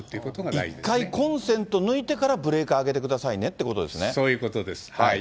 １回コンセント抜いてから、ブレーカー上げてくださいねってそういうことです。